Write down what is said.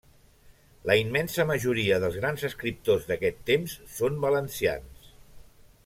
La immensa majoria dels grans escriptors d'aquest temps són valencians.